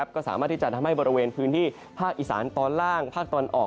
ก็สามารถที่จะทำให้บริเวณพื้นที่ภาคอีสานตอนล่างภาคตะวันออก